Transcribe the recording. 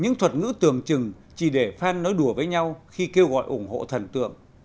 những thuật ngữ tường trừng chỉ để fan nói đùa với nhau khi kêu gọi ủng hộ thần tượng